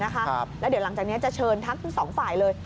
แล้วเดี๋ยวหลังจากนี้จะเชิญทั้งสองฝ่ายเลย